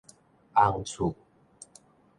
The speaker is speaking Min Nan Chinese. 洪厝